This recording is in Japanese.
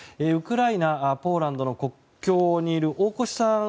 ウクライナ、ポーランドの国境にいる大越さん